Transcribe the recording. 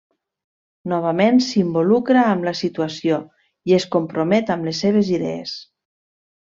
Novament s'involucra amb la situació i es compromet amb les seves idees.